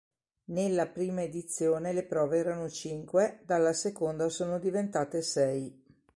Nella prima edizione le prove erano cinque, dalla seconda sono diventate sei.